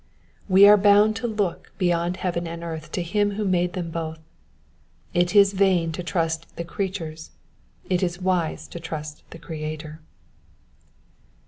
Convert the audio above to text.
We are bound to look beyond heaven and earth to him who made them both : it is vain to trust the creatures : it is wise to trust the Creator.